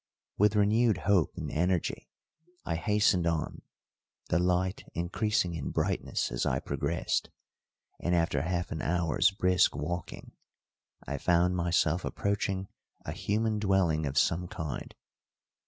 With renewed hope and energy I hastened on, the light increasing in brightness as I progressed; and, after half an hour's brisk walking, I found myself approaching a human dwelling of some kind.